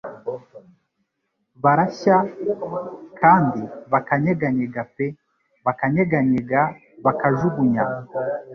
barashya kandi bakanyeganyega pe bakanyeganyega bakajugunya;